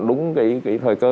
đúng cái thời cơ